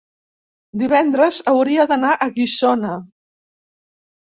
divendres hauria d'anar a Guissona.